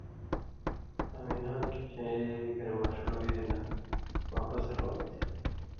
آں مِیں نھال کِھیں چئ گھریۡماݜہ وے نہ واپس روان تھی